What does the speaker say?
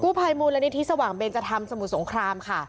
กู้ไพรบูรณิธิสว่างเบนจะทำสมุทรสงคราม